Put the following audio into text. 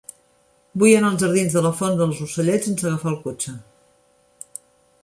Vull anar als jardins de la Font dels Ocellets sense agafar el cotxe.